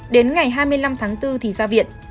đến ngày hai mươi năm tháng bốn thì ra viện